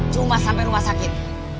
cuma sampai rumah sakit